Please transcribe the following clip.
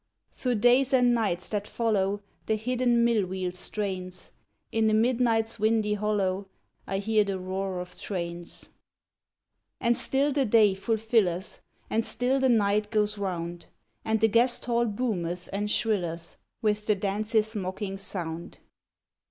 Through days and nights that follow The hidden mill wheel strains; In the midnight's windy hollow I hear the roar of trains. And still the day fulfilleth, And still the night goes round, And the guest hall boometh and shrilleth, With the dance's mocking sound.